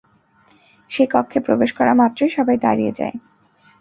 সে কক্ষে প্রবেশ করা মাত্রই সবাই দাঁড়িয়ে যায়।